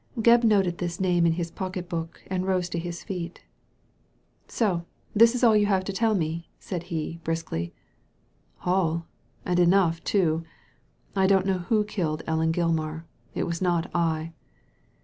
Gebb noted this name in his pocket book, and rose to his feet " So this is all you have to tell me ?" said he, briskly. All I — and enough, too. I don't know who killed Ellen Gilmar. It was not I."